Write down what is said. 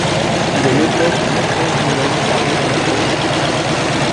Il est l'auteur de nombreuses nouvelles parues dans des revues.